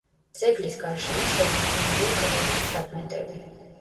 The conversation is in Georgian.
ძეგლის გარშემო შემორჩენილია გალავნის ფრაგმენტები.